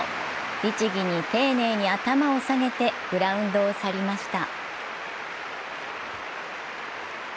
律儀に丁寧に頭を下げてグラウンドを去りました。